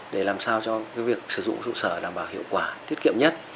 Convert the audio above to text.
để làm sao cho việc sử dụng chủ sở làm bảo hiệu quả tiết kiệm nhất